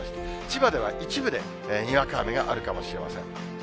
千葉では一部で、にわか雨があるかもしれません。